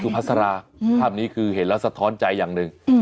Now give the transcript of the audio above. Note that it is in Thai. ภาษาราภาพนี้คือเห็นแล้วสะท้อนใจอย่างหนึ่ง